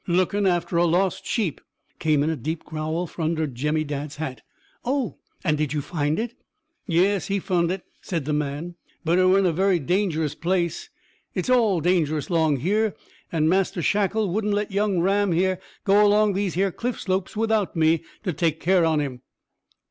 "Lookin' after a lost sheep," came in a deep growl from under Jemmy Dadd's hat. "Oh! And did you find it?" "Yes; he fun' it," said the man, "but it were in a very dangerous place. It's all dangerous 'long here; and Master Shackle wouldn't let young Ram here go along these here clift slopes without me to take care on him."